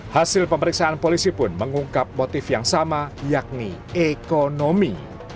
hasil pemeriksaan polisi pun mengungkap motif yang sama yakni ekonomi